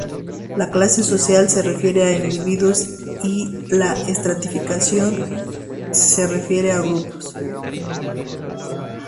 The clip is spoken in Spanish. La clase social se refiere a individuos y la estratificación se refiere a grupos.